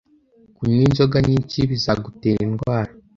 Kunywa inzoga nyinshi bizagutera indwara.